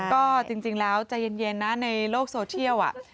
ก็จริงแล้วใจเย็นนะในโลกโซเชียล